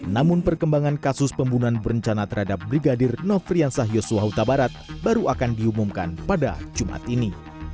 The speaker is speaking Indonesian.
namun perkembangan kasus pembunuhan berencana terhadap brigadir nofriansah yosua huta barat baru akan diumumkan pada jumat ini